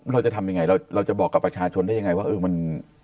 เราจะทำยังไงเราจะบอกกับประชาชนได้ยังไงว่าเออมัน